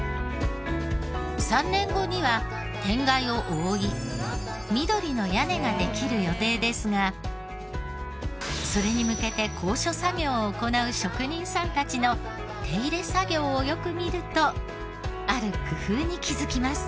３年後には天蓋を覆い緑の屋根ができる予定ですがそれに向けて高所作業を行う職人さんたちの手入れ作業をよく見るとある工夫に気づきます。